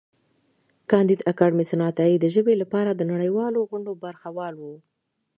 کانديد اکاډميسن عطايي د ژبې لپاره د نړیوالو غونډو برخه وال و.